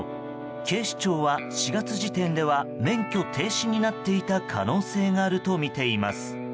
警視庁は４月時点では免許停止になっていた可能性があるとみています。